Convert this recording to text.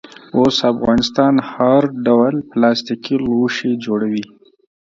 اوس افغانستان هر ډول پلاستیکي لوښي جوړوي.